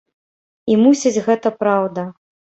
І мусіць, гэта праўда.